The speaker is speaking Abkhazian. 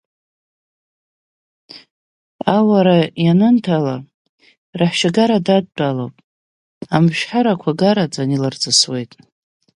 Ауара ианынҭала, раҳәшьа агара дадтәалоуп, амшәҳәарақәа гараҵаны илырҵысуеит.